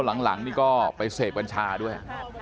หลังนี่ก็ไปเสพกัญชาด้วย